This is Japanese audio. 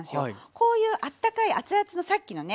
こういうあったかい熱々のさっきのね